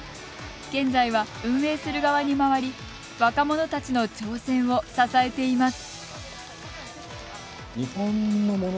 現在は運営する側に回り若者たちの挑戦を支えています。